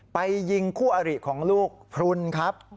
ไปยิงคู่อริของลูกพลุนครับ